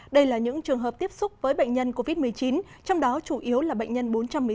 đây là những trường hợp tiếp xúc với bệnh nhân covid một mươi chín trong đó chủ yếu là bệnh nhân bốn trăm một mươi sáu